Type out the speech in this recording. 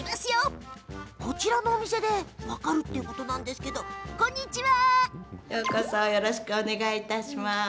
こちらのお店で分かるということなんですがこんにちは。